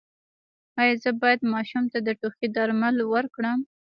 ایا زه باید ماشوم ته د ټوخي درمل ورکړم؟